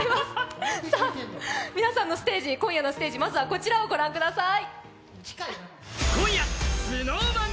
皆さんの今夜のステージまずはこちらをご覧ください。